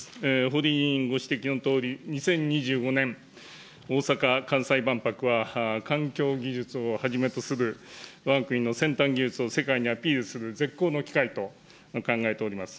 堀井委員ご指摘のとおり、２０２５年、大阪・関西万博は、環境技術をはじめとするわが国の先端技術を世界にアピールする、絶好の機会と考えております。